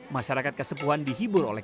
masyarakat kesepuan dihibur oleh